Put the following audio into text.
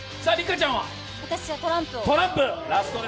私はトランプを。